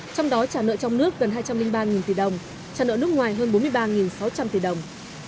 trong đó trả nợ trong nước gần hai trăm linh ba tỷ đồng trả nợ nước ngoài hơn bốn mươi ba sáu trăm linh tỷ đồng